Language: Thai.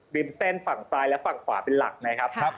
ริมเส้นฝั่งซ้ายและฝั่งขวาเป็นหลักนะครับ